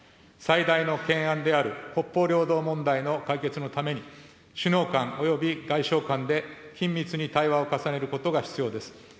最大の懸案である北方領土問題の解決のために、首脳間および外相間で、緊密に対話を重ねることが必要です。